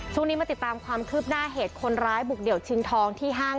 ช่วงนี้มาติดตามความคืบหน้าเหตุคนร้ายบุกเดี่ยวชิงทองที่ห้าง